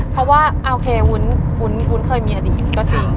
เพราะว่าโอเควุ้นเคยมีอดีตก็จริง